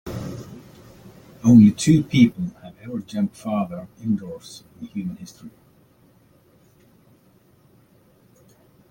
Only two people have ever jumped farther indoors in human history.